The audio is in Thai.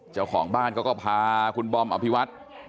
เจ้าของบ้านเขาก็พาคุณบอมอภิวัตร